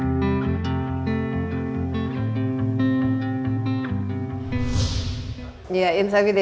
kemudian penyandang penyandang tersebut menyebabkan penyandang tersebut menurun